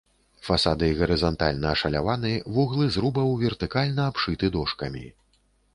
Фасады гарызантальна ашаляваны, вуглы зрубаў вертыкальна абшыты дошкамі.